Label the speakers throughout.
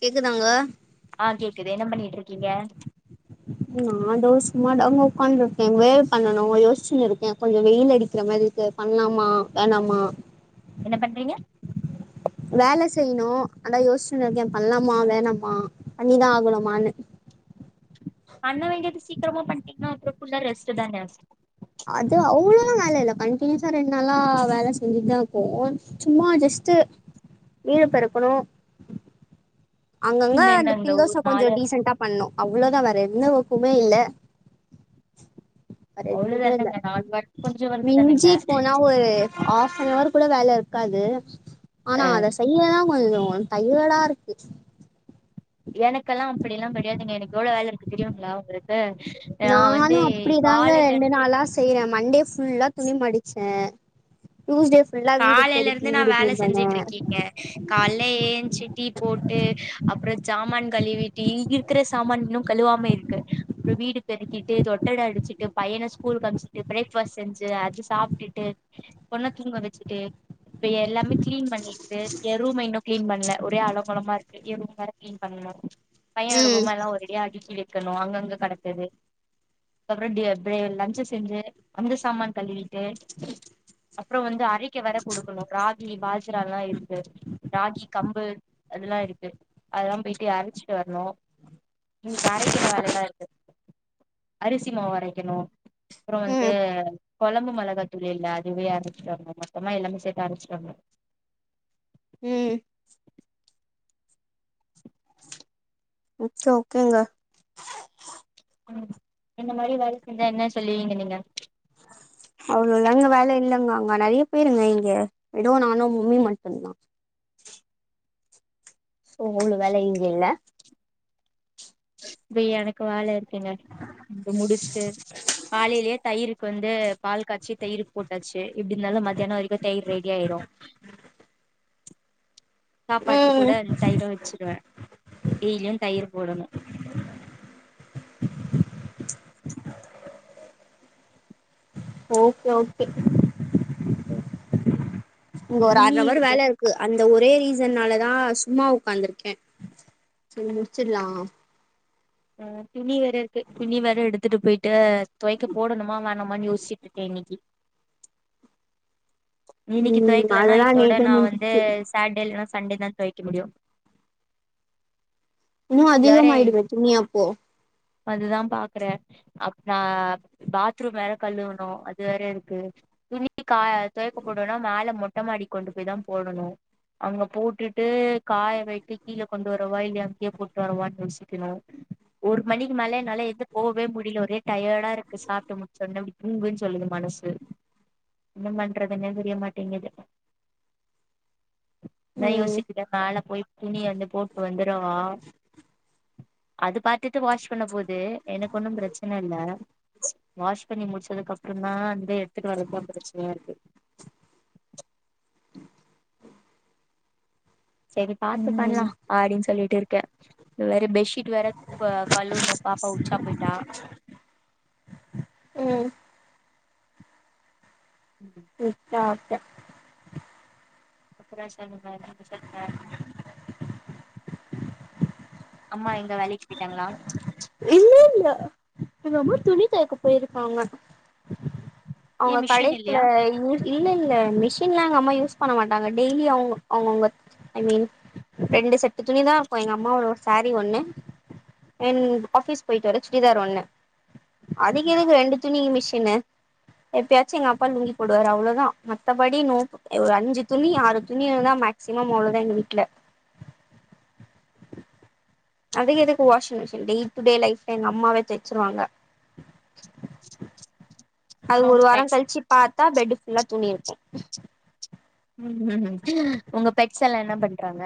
Speaker 1: கேக்குதாங்க
Speaker 2: ஆ கேக்குது என்ன பண்ணிட்டு இருக்கீங்க
Speaker 1: நான் தோ சும்மாதாங்க உக்காந்துருக்கே வேல் பண்ணணு யோஸ்ச்சுனிருக்கே கொஞ்சு வெயில் அடிக்கிற மாரி இருக்கு பண்லாமா வேணாமா
Speaker 2: என்ன பண்றீங்க
Speaker 1: வேல செய்ணு அதா யோஸ்ச்சினிருக்கே பண்லாமா வேணாமா பண்ணிதா ஆகணுமான்னு
Speaker 2: பண்ண வேண்டியது சீக்கிரமா பண்ணிட்டீங்ன்னா அப்புறோ ஃபுல்லா ரெஸ்ட்டு தான
Speaker 1: அது அவ்ளோலா வேல இல்ல கண்டின்யூஸா ரெண்ட் நாளா வேல செஞ்சுட்தா இக்கோ சும்மா ஜெஸ்ட்டு வீடு பெருக்கணு அங்கங்க
Speaker 2: பின்ன
Speaker 1: இந்த
Speaker 2: என்னங்க ஒரு
Speaker 1: பில்லச கொஞ்சோ
Speaker 2: நாளு
Speaker 1: டிசன்டா பண்ணு அவ்ளோதா வேற எந்த ஒர்க்குமே இல்ல வேற எதுவுமே இல்ல
Speaker 2: அவ்ளோதானங்க நாலு வாட் கொஞ்சோ ஒர்க் தானங்க
Speaker 1: மிஞ்சி போனா ஒரு ஹாஃபனவர் கூட வேல இருக்காது
Speaker 2: அ
Speaker 1: ஆனா அத செய்யதா கொஞ்சோ டயடாருக்கு
Speaker 2: எனக்கெல்லா அப்படிலா கெடயாதுங்க எனக்கு எவ்ளோ வேல இருக்கு தெரியுங்ள உங்களுக்கு நா
Speaker 1: நானு
Speaker 2: வந்து
Speaker 1: அப்டிதாங்க
Speaker 2: காலைல
Speaker 1: ரெண்டு
Speaker 2: இருந்து
Speaker 1: நாளா செய்றே மண்டே ஃபுல்லா துணி மடிச்சே டியூஸ்டே ஃபுல்லா வீடு பெருக்கி
Speaker 2: காலைலருந்து நா
Speaker 1: வீடு
Speaker 2: வேல
Speaker 1: கிளீன் பண்ணே.
Speaker 2: செஞ்சுட்டுருக்கீங்க கால்ல ஏந்சி டீ போட்டு அப்றோ ஜாமான் கழுவிட்டு இரு க்குற சாமான் இன்னு கழுவாம இருக்கு அப்றோ வீடு பெருக்கிட்டு தொட்டட அடிச்சுட்டு பையன ஸ்கூல்க்கு அம்ச்சிட்டு ப்ரேக்ஃபாஸ்ட் செஞ்சு அது சாப்ட்டுட்டு பொண்ண தூங்க வெச்சுட்டு இப்ப எல்லாமே க்ளீன் பண்ணி ட்டு எ ரூம இன்னு க்ளீன் பண்ல ஒரே அலங்கோலமா இருக்கு எ ரூம் வேற க்ளீன் பண்ணணு பையனோட
Speaker 1: ம்
Speaker 2: பொம்ம எல்லா ஒரேடியா அடிக்கி வெக்கணு அங்கங்க கடக்குது அப்பறோ டிய அப்றே லன்ச்சு செஞ்சு அந்த சாமான் கழுவிட்டு அப்றோ வந்து அரைக்க வேற குடுக்கணு ராகி பாஜ்ரால்லா இருக்கு ராகி கம்பு அதெல்லா இருக்கு அதெல்லாம் போய்ட்டு அரச்சிட்டு வர்ணு இன்னிக்கி அரைக்கிற வேலெல்லா இருக்கு அரிசி மாவு அரைக்கணு அப்பறோ வந்து
Speaker 1: ம்
Speaker 2: கொழம்பு மொளகாதூள் இல்ல அதுவே அரச்சிட்டு வர்ணு மொத்தமா எல்லாமே சேத்து அரச்சுடாங்க
Speaker 1: ம் மிச்சா ஓகேங்க
Speaker 2: ம் இந்த மாரி வேல செஞ்சா என்ன சொல்வீங்க நீங்க
Speaker 1: அவ்ள தாங்க வேல இல்லன்வாங்க அங்க நறைய பேருங்க இங்க இதோ நானோ மம்மி மட்டுன்தான் சோ உங்களுக்கு வேல இங்க இல்ல
Speaker 2: இப்ப எனக்கு வேல இருக்குங்க முடிச்சுட்டு காலேயே தயிருக்கு வந்து பால் காச்சி தயிர் போட்டாச்சு எப்டி இந்தாலும் மத்தியானம் வரைக்கு தயிர் ரெடி ஆயிரும் சாப்பாட்டுல கூட
Speaker 1: ம்
Speaker 2: அந் தயிரு வச்சுருவேன் டெய்லியும் தயிர் போடணு
Speaker 1: ஓகே ஓகே
Speaker 2: பா
Speaker 1: இங்க ஒரு அர அவர் வேல இருக்கு அந்த ஒரே ரீசனாலதா சும்மா ஒக்காந்துருக்கே சொ இத முடிச்சிட்லா
Speaker 2: ஆ துணி வேற இருக்கு துணி வேற எடுத்துட்டு போயிட்டு தோய்க்க போடணுமா வேணாமான்னு யோஸ்சிட்டுருக்கே இன்னிக்கு இன்னைக்கு
Speaker 1: ம் அதெல்லா நேத்தே முடிஞ்சிச்சு
Speaker 2: சாட்டே இல்லனா சண்டே தா தோய்க்க முடியும்
Speaker 1: இன்னு
Speaker 2: இதுல வேற
Speaker 1: அதிகமாயிடுமே துணி அப்போ
Speaker 2: அதுதா பாக்றே அப்றம் பாத்ரூம் வேற கழுவனும் அது வேற இருக்கு துணி துணி காய தோய்க்க போடுனா மேல மொட்டமாடி கொண்டு போய் தான் போடணு அங்க போட்டுட்டு காய வெக்க கீழே கொண்டு வரவா இல்ல அங்கயே போட்டு வரவான்னு யோசிக்கணு ஒரு மணிக்கு மேல என்னால எந்து போவே முடில ஒரே டயர்டா இருக்கு சாப்ட்டு முடிச்சனும் தூங்குன்னு சொல்லுது மனசு என்ன பண்றதுனே தெரிய மாட்டேங்குது அதா
Speaker 1: ம்
Speaker 2: யோஸ்ச்சிட்ருக்கே மேல போய் துணி அள்ளி போட்டு வந்தரவா அது பாத்துட்டு வாஷ் பண்ண போது எனக்கு ஒன்னும் பிரச்சன இல்ல வாஷ் பண்ணி முடிச்சதுக்கு அப்ற தா வந்து எடுத்துட்டு வர்றதுதா பிரச்சனயா இருக்கு சேரி பாத்து
Speaker 1: ம்
Speaker 2: பண்லாம் அப்டின்னு சொல்லிட்டு இருக்க வேற பெஷி ட்டு வேர கழுவனும் பாப்பா உச்சா போயிட்டா
Speaker 1: ம்
Speaker 2: ம்
Speaker 1: மிஸ் சாப்டன்
Speaker 2: அப்றோ சொல்லுங்க நீங்க சொல்லுங்க அம்மா எங்க வேலைக்கு போயிட்டாங்களா
Speaker 1: இல்ல இல்ல எங்கம்மா துணி தோய்க்க போயிருக்காங்க
Speaker 2: ஏ
Speaker 1: அவங்க
Speaker 2: மிஷின்
Speaker 1: கடைக்குல
Speaker 2: இல்லையா
Speaker 1: இருக் இல்ல இல்ல மிஷின்லா எங்க அம்மா யூஸ் பண்ண மாட்டாங்க டெய்லி அவங்க அவங்கவுங்க ஐ மீன் ரெண்டு செட்டு துணிதா இருக்கும் எங்க அம்மாவோட ஒரு சாரி ஒண்ணு அன்ட் ஆபீஸ் போயிட்டு வர சுடிதார் ஒண்ணு அதுக் எதுக்கு ரெண்டு துணி மிஷினு எப்பயாச்சு எங்க அப்பா லுங்கி போடுவாரு அவ்ளதா மத்தபடி நோ ஒரு அஞ்சு துணி ஆறு துணி இதுதா மேக்சிமம் அவ்ளதா எங்க வீட்ல அதுக்கு எதுக்கு washing machine day to day லைஃப்ல எங்க அம்மாவே தச்சுருவாங்க அது
Speaker 2: அப்புறோ
Speaker 1: ஒரு
Speaker 2: உங்க
Speaker 1: வாரம்
Speaker 2: பெட்ஸ்
Speaker 1: கழிச்சு பாத்தா பெட் ஃபுல்லா துணி இருக்கு
Speaker 2: ம் உங்க பெட்ஸ் எல்லா என்ன பண்றாங்க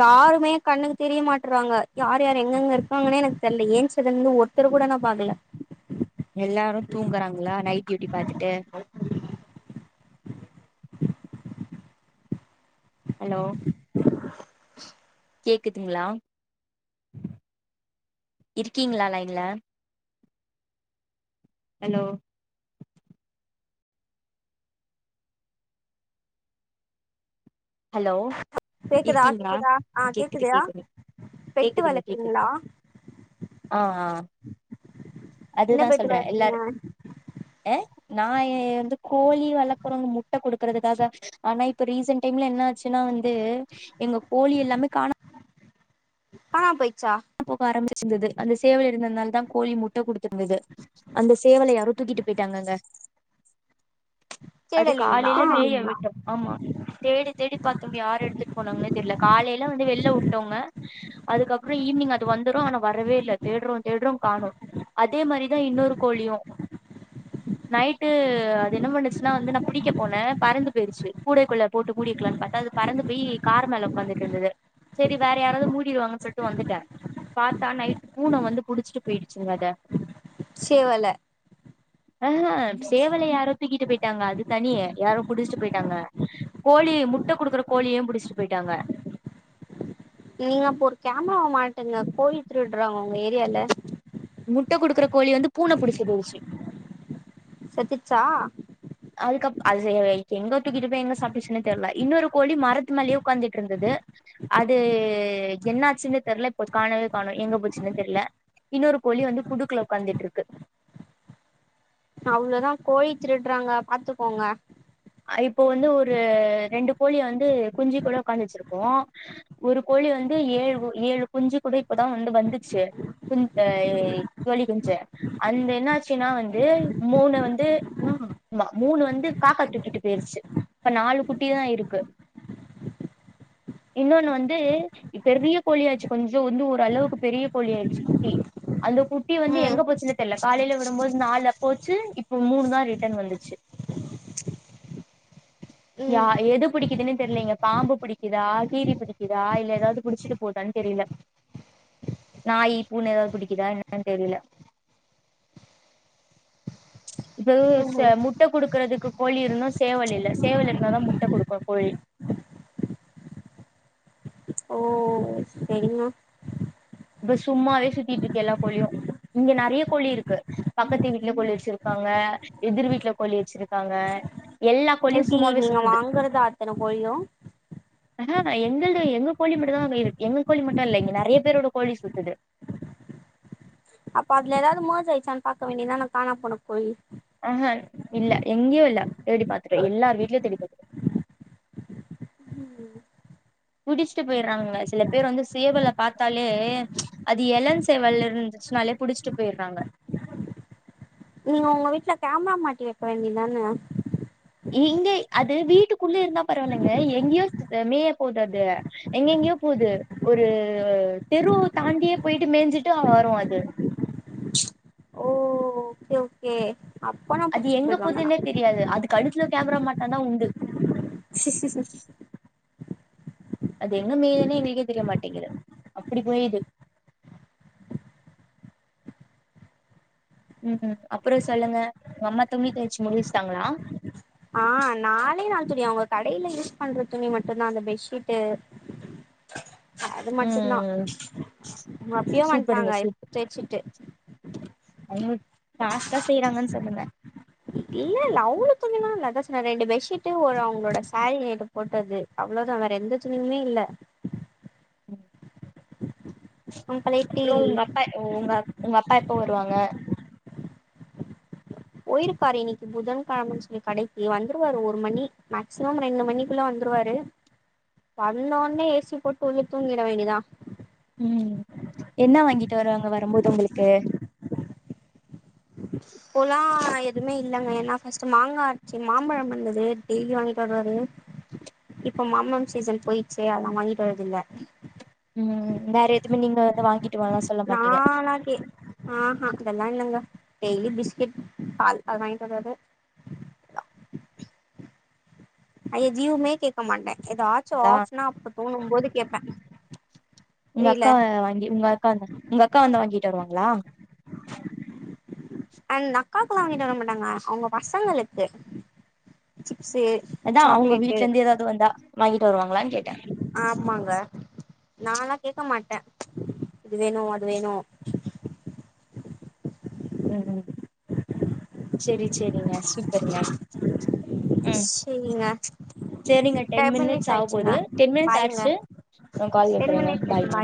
Speaker 1: யாருமே கண்ணுக்கு தெரிய மாட்றாங்க யார் யார் எங்கெங்க இருப்பாங்கன்னே எனக்கு தெரில ஏன்ஜலுனு ஒருத் தரு கூட நா பாக்கல
Speaker 2: எல்லாரு தூங்றாங்ளா நைட் டியூட்டி பாத்துட்டு ஹலோ கேக்குதுங்ளா இருக்கீங்ளா லைன்ல ஹலோ ஹலோ
Speaker 1: கேக்குதா
Speaker 2: இருக்கீங்ளா
Speaker 1: கேக்குதா ஆ
Speaker 2: கேக்குது
Speaker 1: கேக்குதா
Speaker 2: கேக்குது
Speaker 1: பெட்டு
Speaker 2: கேக்குதுங்க
Speaker 1: வளக்குறீங்களா
Speaker 2: கேக்குதுங்க ஆ ஆ
Speaker 1: என்ன
Speaker 2: அதுதா
Speaker 1: பெட்டு
Speaker 2: சொல்றே
Speaker 1: வளக்குறீங்க
Speaker 2: எல்லார் அ நா எ வந்து கோழி வளக்றோங் முட்ட குடுக்கறதுக்காக ஆனா இப்ப ரீசன்ட் டைம்ல என்ன ஆச்சுனா வந்து எங்க கோழி எல்லாமே காணா
Speaker 1: காணா போய்ச்சா
Speaker 2: போக ஆரம்பிச்சிருந்தது அந்த சேவல் இருந்ததுனால் தா கோழி முட்ட குடுத் ருந்தது அந்த சேவல யாரே தூக்கிட்டு போயிட்டாங்கங்க அது
Speaker 1: தேடலீங்களா
Speaker 2: காலைல மேய்ய விட்டோ ஆமா தேடி தேடி பாத்தோம் யாரு எடுத்துட் போனாங்னே தெரில காலைல வந்து வெள்ல வுட்டோங்க அதுக்கப்றோ ஈவி்னி்ங் அது வந்துரு ஆனா வரவே இல்லை தேட்றோ தேட்றோ காணோ அதே மாரிதா இன்னொரு கோழியு
Speaker 1: [inaudible]
Speaker 2: நைட்டு அது என்ன பண்ணுச்சுனா வந்து நா பிடிக்க போனே பறந்து போயிருச்சு கூடைக்குள்ள போட்டு மூடி வைக்லான் பாத்தா அது பறந்து போய் கார் மேல உக்காந்துட்டுட்ருந்தது சரி வேற யாராவது மூடிருவாங்க சொல்ட்டு வந்துட் டே பாத்தா நைட்டு் பூன வந்து புடிச்சிட்டு போயிடுச்சுங்க அத
Speaker 1: சேவல
Speaker 2: ஆ ஹே சேவல யாரோ தூக்கிட்டு போயிட்டாங்க அது தனி யாரோ புடுச்சுட்டு போயிட்டாங்க கோழி முட்ட குடுக்குற கோழியு புடிச்சுட்டு போயிட்டாங்க
Speaker 1: நீங்க அப்போ ஒரு கேமராவ மாட்டுங்க கோழி திருட்றாங்க உங்க ஏரியால
Speaker 2: முட்ட குடுக்கற கோழிய வந்து பூன புடிச்சிட்டு போயிருச்சு
Speaker 1: செத்துட்ச்சா
Speaker 2: அதுக்கப் அது எங்க தூக்கிட்டு போய் எங்க சாப்டுச்சுனே தெர்ல இன்னொரு கோழி மரத்து மேலயே உக்காந்துட்ருந்தது அது என்னாச்சுனே தெர்ல இப்ப காணவே காணோ எங்க போச்சுனே தெர்ல இன்னொரு கோழி வந்து கூண்டுக்ல உக்காந்திட்ருக்கு
Speaker 1: அவ்ளோதா கோழி திருட்றாங்க பாத்துக்கோங்க
Speaker 2: அ இப்போ வந்து ஒரு ரெண்டு கோழிய வந்து குஞ்சி கூட உக்காந்து வச்சிருக்கோ ஒரு கோழி வந்து ஏழு ஏழு குஞ்சு கூட இப்பதா வந்து வந்துச்சு குஞ் அ கோழி குஞ்ச அந்த என்னாச்சுனா வந்து மூணு வந்து மூணு வந்து காக்கா தூக்ட் ட்டு போய்ருச்சு இப்ப நாலு குட்டி தா இருக்கு
Speaker 1: [inaudible]
Speaker 2: இன்னொனு வந்து பெரிய கோழி ஆயிச்சு கொஞ்சோ வந்து ஒரு அளவுக்கு பெரிய கோழி ஆயிடுச்சு குட்டி அந்த குட்டி வந்து
Speaker 1: ம்
Speaker 2: எங்க போச்சுனே தெர்ல காலைல விடும்போது நாலா போச்சு இப்ப மூணு தா ரிட்டர்ன் வந்துச்சு யா
Speaker 1: ம்
Speaker 2: எது பிடிக்குதுனே தெரிலங்க பாம்பு புடிக்குதா கீரி புடிக்குதா இல்ல ஏதாவது புடிச்சிட்டு போதான் தெரில
Speaker 1: [inaudible]
Speaker 2: நாய் பூன ஏதாவது பிடிக்குதா என்னன் தெரில இதே சே
Speaker 1: ம்
Speaker 2: முட்ட குடுக்குறதுக்கு கோழி இருந்து சேவல் இல்ல சேவல் இருந்தாதா முட்ட குடுக்கு கோழி
Speaker 1: ஓ செரிங்க
Speaker 2: இப்ப சும்மாவே சுத்திட்டு இருக்க எல்லா கோழியும் இங்க நறைய கோழி இருக்கு பக்கத்து வீட்டுல கோழி வச்சிருப்பாங்க எதிர் வீட்ல கோழி வச்சிருக்காங்க எல்லா கோழியு
Speaker 1: எப்டி
Speaker 2: சும்மாவே
Speaker 1: நீங்க
Speaker 2: சுத்துது
Speaker 1: வாங்கறதா அத்தன கோழியு
Speaker 2: அஹ எங்களது எங்க கோழி மட்டு தா மேயுது எங்க கோழி மட்டு இல்ல இங்க நறைய பேரோட கோழி சுத்துது
Speaker 1: அப்ப அதுல ஏதாவது மோஜ் ஆயிச்சான்னு பாக்க வேண்டியது தான காணமபோன கோழி
Speaker 2: ஆஹ இல்ல எங்கயு இல்ல தேடிப்பாத்துட்டோ எல்லார் வீட்லோயு தேடிப்பாத் புடிஷ்ட்டு போய்ட்றாங்க சில பேர் வந்து சேவல பாத்தாலே அது எளம் சேவல் இருந்துச்சுனாலே புடிச்சிட்டு போய்றாங்க
Speaker 1: நீங்க உங்க வீட்ல கேமரா மாட்டி வைக்க வேண்டியதான
Speaker 2: இங்க அது வீட்டுக்குள்ளே இருந்தா பரவாயில்லங்க எங்கயோ அ மேய போது அது எங்கெங்கயோ போது ஒரு தெரு தாண்டியே போயிட்டு மேஞ்சிட்டு வரும் அது
Speaker 1: ஓ ஓகே ஓகே அப்பனா
Speaker 2: அது
Speaker 1: புடிச்சிட்டு
Speaker 2: எங்க
Speaker 1: போயிடுவாங்க ஆனா
Speaker 2: போதுனோ தெரியாது அதுக் கழுத்துல கேமரா மாட்னாதா உண்டு அது எங்க மேயும்னே எனக்கே தெரிய மாட்டிங்குது அப்டி போயுது உம் அப்ரோ சொல்லுங்க உங்க அம்மா துணி தோய்ச்சி முடிஷ்டாங்ளா
Speaker 1: ஆ நாளே நாள் துணி அவுங்க கடேல யூஸ் பண்ற துணி மட்டும்தா அந்த பெட்ஷீட்டு அது மட்டும்தா
Speaker 2: ம்
Speaker 1: மத்யோ வன்டாங்க தேய்ச்சிட்டு
Speaker 2: என்னுது பாஸ்ட்டா செய்றாங்கன் சொல்லுங்க
Speaker 1: இல்லல்ல அவ்ளோ துணில்லா இல்ல அதா சொன்ன ரெண்டு பெட்ஷீட்டு ஒரு அவுங்களோட சரீயேடு போட்டது அவ்ளோதா வேற எந்த துணியுமே இல்ல
Speaker 2: உம்
Speaker 1: அங்கலேட்டி
Speaker 2: அப்ரோ உங்க அப்பக் ஓங்க உங்க அப்பா எப்போ வருவாங்க
Speaker 1: போயிருப்பாரு இன்னிக்கு புதன்கெழமன்னு சொல்லி கடைக்கு வந்துருவாரு ஒரு மணி மேக்சிமம் ரெண்டு மணிக்குள்ள வந்துருவாரு வந்தவுன்னே ஏசி போட்டு உள்ள தூங்கிட வேண்டியதுதா
Speaker 2: உம் என்ன வாங்கிட்டு வருவாங்க வரும்போது உங்ளுக்கு
Speaker 1: இப்போலா எதுமே இல்லங்க ஏனா ஃர்ஸ்ட்டு மாங்கா இருன்ச்சி மாம்பழம் வெந்தது டெய்லி வாங்கிட்டு வருவாரு இப்ப மாம்பழம் சீசன் போயிச்சி ஆனா வாங்கிட்டு வரதில்ல
Speaker 2: உம் வேற எதுமே நிங்க வந்து வாங்கி
Speaker 1: நானாக்கே ஆஹா அதெல்லா இல்லங்க டெய்லி பிஸ்கட் பால் அது வாங்கிட் வருவாரு ஐயோ ஜீவுமே கேட்க மாட்ட ஏதாச்சு ஆச்சினா அப்ப தோணு போது கேட்பே
Speaker 2: உங்க
Speaker 1: புரியல
Speaker 2: அக்காவ வாங்கி உங்க அக்கா வந்த உங்க அக்கா வந்தா வாங்கிட்டு வருவாங்களா
Speaker 1: அண்ட் அக்காக்குல்லா வாங்கிட்டு வர மாட்டாங்க அவுங்க பசங்களுக்கு சிப்சு
Speaker 2: அதா அவுங்க வீட்லருந்து ஏதாவ்து வந்தா வாங்கிட்டு வருவாங்களான்னு கேட்ட
Speaker 1: ஆமாங்க நலா கேட்க மாட்ட இது வேணு அது வேணு
Speaker 2: உம் செரி செரிங்க சூப்பருங்க உம்
Speaker 1: சரிங்க
Speaker 2: செரிங்க டென் மினிட்ஸ் ஆவபோது டென் மினிட்ஸ்
Speaker 1: பாய்ங்க
Speaker 2: ஆய்ச்சி அம் கால்
Speaker 1: டென்
Speaker 2: வக்குறேங்க
Speaker 1: மினிட்ஸ் இருக்கு
Speaker 2: பாய்ங்க